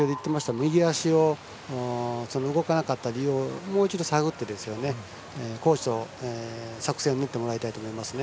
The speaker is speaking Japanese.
右足が動かなかった理由をもうちょっと探ってコーチと作戦を練ってもらいたいと思いますね。